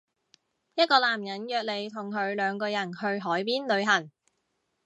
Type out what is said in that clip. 一個男人約你同佢兩個人去海邊旅行